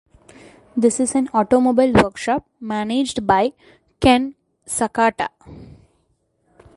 The is an automobile workshop managed by Ken Sakata.